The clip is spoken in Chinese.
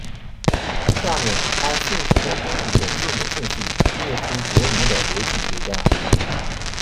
下面按姓氏的英语的字母顺序列出着名的逻辑学家。